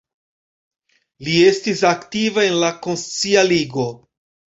Li estis aktiva en la Konscia Ligo.